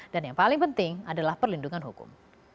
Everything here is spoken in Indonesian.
dan yang paling penting adalah perlindungan hukum